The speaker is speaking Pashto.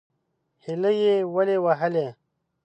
_هيلۍ يې ولې وهلې؟